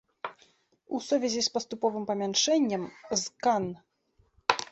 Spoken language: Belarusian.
У сувязі з паступовым памяншэннем, з кан.